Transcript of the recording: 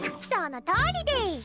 そのとおりデス。